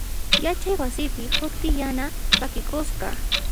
Yachay wasipi huk tiyana p'akikusqa.